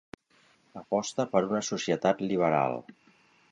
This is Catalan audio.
Aposta per una societat liberal.